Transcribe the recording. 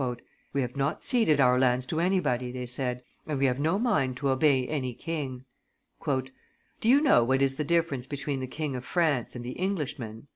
"We have not ceded our lands to anybody," they said; "and we have no mind to obey any king." "Do you know what is the difference between the King of France and the Englishman?"